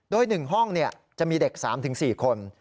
โดย๑ห้องจะมีเด็ก๓๔คน